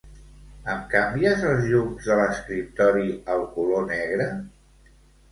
Em canvies els llums de l'escriptori al color negre?